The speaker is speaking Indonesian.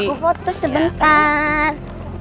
aku foto sebentar